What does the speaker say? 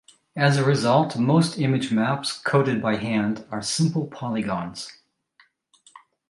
As a result, most image maps coded by hand are simple polygons.